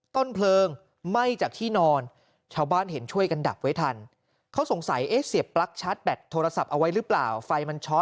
ต้นเพลิงไหม้จากที่นอนชาวบ้านเห็นช่วยกันดับไว้ทัน